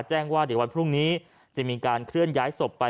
แจ้งว่าเดี๋ยววันพรุ่งนี้จะมีการเคลื่อนย้ายศพไป